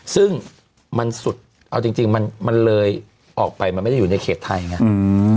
ซึ่งมันสุดเอาจริงมันเลยออกไปมันไม่ได้อยู่ในเขตไทยไง